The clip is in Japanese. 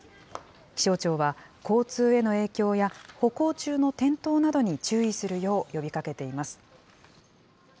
気象庁は、交通への影響や歩行中の転倒などに注意するよう呼びかけています。